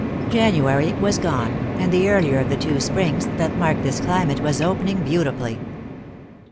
January was gone, and the earlier of the two springs that mark this climate was opening beauti fully.